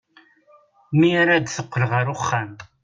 Mi ara d-teqqel ɣer uxxam.